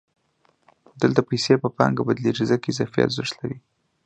دلته پیسې په پانګه بدلېږي ځکه اضافي ارزښت لري